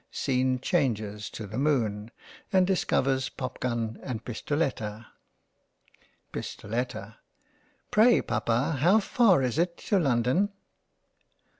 Scene changes to the Moon, and discovers Popgun and Pistoletta. Pistoletta) Pray papa how far is it to London